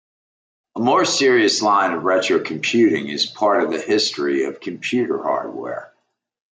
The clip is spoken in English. A more serious line of retrocomputing is part of the history of computer hardware.